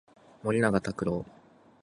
森永卓郎